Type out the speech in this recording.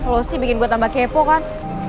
lo sih bikin gue tambah kepo kan